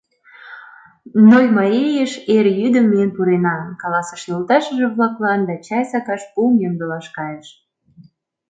«Нольмарийыш эр йӱдым миен пурена!» — каласыш йолташыже-влаклан да чай сакаш пуым ямдылаш кайыш.